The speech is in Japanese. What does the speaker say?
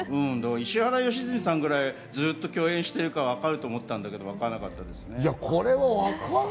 石原良純さんぐらいずっと共演してるからわかると思ったんですけどわからなかったですね。